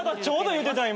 言うてた今。